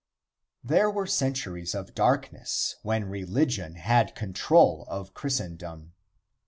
IX. There were centuries of darkness when religion had control of Christendom.